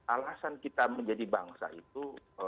alasan kita menjadi bangsa itu